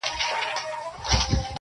o درد زغمي.